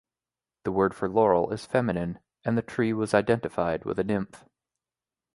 The word for laurel is feminine and the tree was identified with a nymph.